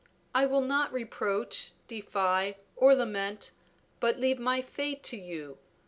I will not reproach, defy, or lament, but leave my fate to you.